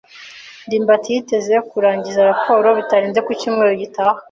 ndimbati yiteze kurangiza raporo bitarenze icyumweru gitaha.